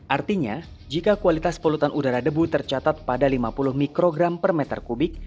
artinya jika kualitas polutan udara debu tercatat pada lima puluh mikrogram per meter kubik